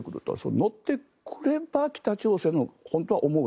乗ってくれば北朝鮮も本当に思う